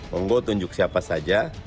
pembo tunjuk siapa saja